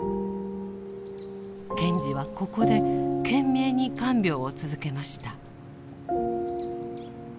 賢治はここで懸命に看病を続けました。